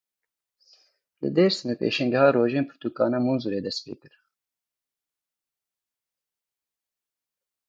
Li Dêrsimê pêşangeha Rojên Pirtûkan a Mûnzûrê dest pê kir.